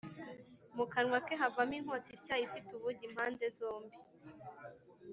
mu kanwa ke havamo inkota ityaye ifite ubugi impande zombi.